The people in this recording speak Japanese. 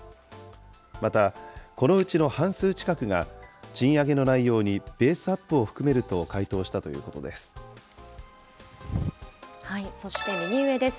また、このうちの半数近くが賃上げの内容にベースアップを含めると回答そして右上です。